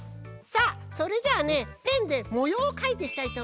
さあそれじゃあねペンでもようをかいていきたいとおもいます。